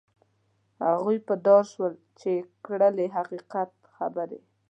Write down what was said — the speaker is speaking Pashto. هغوی په دار شول چې یې کړلې حقیقت خبرې.